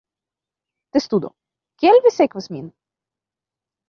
Testudo: "Kial vi sekvas min?"